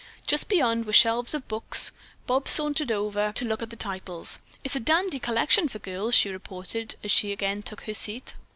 Just beyond were shelves of books. Bobs sauntered over to look at the titles. "It's a dandy collection for girls," she reported as she again took her seat.